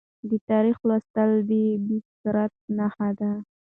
د تاریخ لوستل د بصیرت نښه ده.